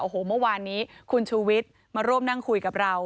โอ้โหเมื่อวานนี้คุณชูวิทย์มาร่วมนั่งคุยกับเรา